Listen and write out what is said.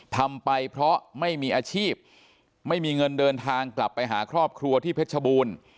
ทำไปเพราะไม่มีอาชีพไม่มีเงินเดินทางกลับไปหาครอบครัวที่เพชรบูรณ์